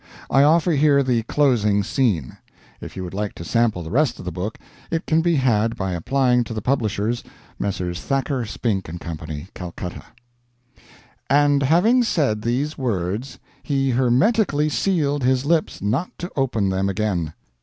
I offer here the closing scene. If you would like to sample the rest of the book, it can be had by applying to the publishers, Messrs. Thacker, Spink & Co., Calcutta "And having said these words he hermetically sealed his lips not to open them again.